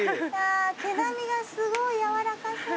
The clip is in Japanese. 毛並みがすごい柔らかそう。